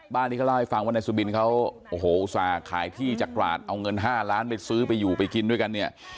บ้านที่เขาเล่าให้ฟังว่านายสุบินเขาโอ้โหอุตส่าห์ขายที่จากตราดเอาเงิน๕ล้านไปซื้อไปอยู่ไปกินด้วยกันเนี่ย